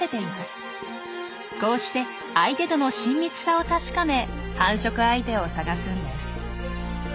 こうして相手との親密さを確かめ繁殖相手を探すんです。